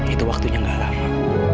itu waktunya gak lama